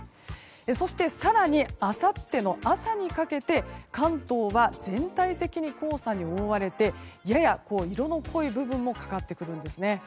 そして、更にあさっての朝にかけて関東は全体的に黄砂に覆われてやや色の濃い部分もかかってくるんですね。